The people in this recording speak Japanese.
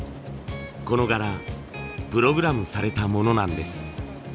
この柄プログラムされたものなんです。